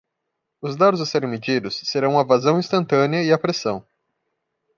Os dados a serem medidos serão a vazão instantânea e a pressão.